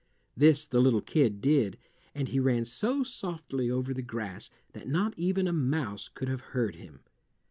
This the little kid did, and he ran so softly over the grass that not even a mouse could have heard him.